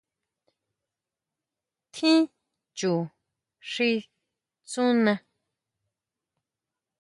Tjín chu xi tsúna.